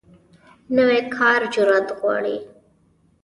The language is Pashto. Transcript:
نوی کار جرئت غواړي